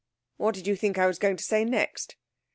What did you think I was going to say next?'